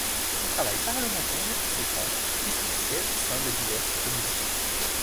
Son travail parlementaire est conséquent puisqu'il siège au sein de diverses commissions.